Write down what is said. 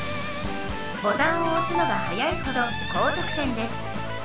ボタンを押すのが早いほど高得点です。